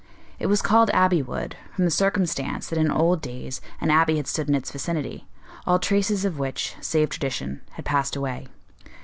It was called Abbey Wood, from the circumstance that in old days an abbey had stood in its vicinity, all traces of which, save tradition, had passed away.